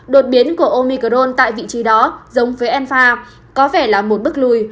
đột biến của omicron tại vị trí đó giống với enfa có vẻ là một bước lùi